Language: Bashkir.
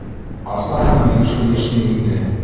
Асаһыңмы һин шул йәшнигеңде?